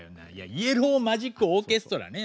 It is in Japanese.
イエロー・マジック・オーケストラね。